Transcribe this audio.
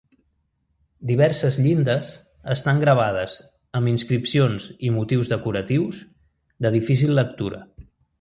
Diverses llindes estan gravades amb inscripcions i motius decoratius de difícil lectura.